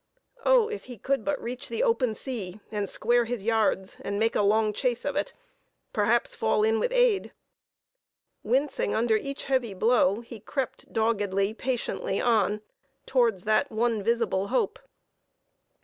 Oh, if he could but reach the open sea, and square his yards, and make a long chase of it; perhaps fall in with aid. Wincing under each heavy blow, he crept doggedly, patiently on, towards that one visible hope.